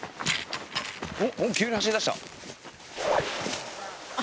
おっ急に走りだした。